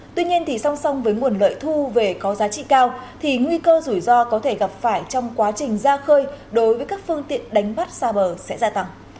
tuy nhiên thì song song với nguồn lợi thu về có giá trị cao thì nguy cơ rủi ro có thể gặp phải trong quá trình ra khơi đối với các phương tiện đánh bắt xa bờ sẽ gia tăng